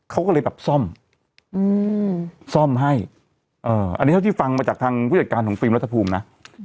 เขาก็เลยแบบซ่อมซ่อมให้อันนี้เท่าที่ฟังมาจากทางผู้จัดการของฟิล์มรัฐภูมินะ